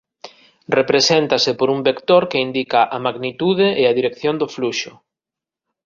Represéntase por un vector que indica a magnitude e a dirección do fluxo.